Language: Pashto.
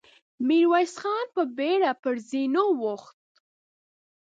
ميرويس خان په بېړه پر زينو وخوت.